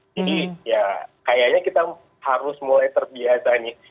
jadi ya kayaknya kita harus mulai terbiasanya